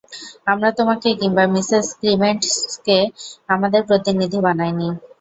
আমরা তোমাকে কিংবা মিসেস ক্রিমেন্টজকে আমাদের প্রতিনিধি বানাইনি।